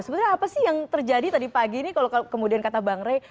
sebenarnya apa sih yang terjadi tadi pagi ini kalau kemudian kata bang rey